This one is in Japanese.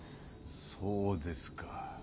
そうですか。